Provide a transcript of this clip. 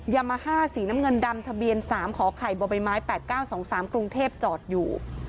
ยามาฮ่าสีน้ำเงินดำทะเบียน๓ขอไข่บใบไม้๘๙๒๓กรุงเทพจอดอยู่